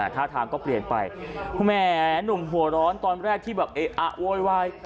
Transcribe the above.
ท่าทางก็เปลี่ยนไปแหมหนุ่มหัวร้อนตอนแรกที่แบบเอ๊ะอะโวยวาย